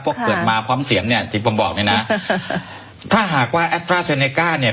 พวกเกิดมาพร้อมเสียบเนี้ยจริงผมบอกเนี้ยน่ะฮ่าถ้าหากว่าเนี้ย